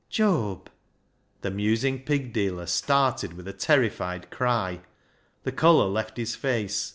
"Job!" The musing pig dealer started with a terrified cry. The colour left his face.